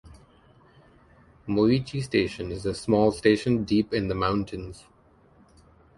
Moichi Station is a small station deep in the mountains.